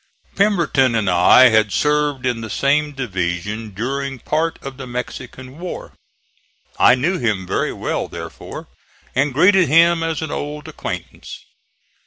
Pemberton and I had served in the same division during part of the Mexican War. I knew him very well therefore, and greeted him as an old acquaintance.